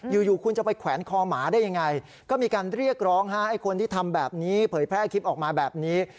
อยู่คุณจะไปแขวนคอหมาได้ยังไงก็มีการเรียกร้องฮะไอ้คนที่ทำแบบนี้เผยแพร่คลิปออกมาแบบนี้